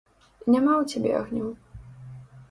Няма ў цябе агню.